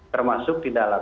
termasuk di dalam